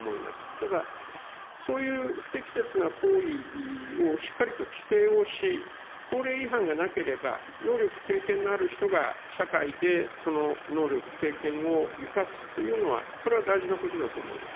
ただ、そういう不適切な行為をしっかりと規制をし、法令違反がなければ、能力、経験のある人が社会でその能力、経験を生かすというのは、これは大事なことだと思います。